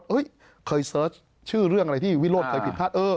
เคยเสิร์ชชื่อเรื่องอะไรที่วิโรธเคยผิดพลาด